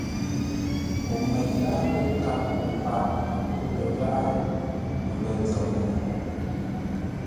O meʼ ghâa pə̂ nkâr ləpâʼo lər gháʼá mbə́ nzəm gho.